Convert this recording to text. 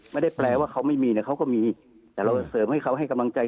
ไม่ได้แปลว่าเขาไม่มีเนี่ยเขาก็มีแต่เราเสริมให้เขาให้กำลังใจ